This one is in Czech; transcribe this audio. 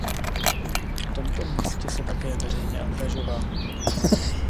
V tomto městě se také veřejně angažoval.